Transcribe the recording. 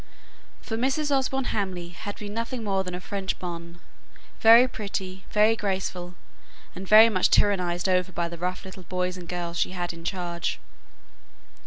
For Mrs. Osborne Hamley had been nothing more than a French bonne, very pretty, very graceful, and very much tyrannized over by the rough little boys and girls she had in charge.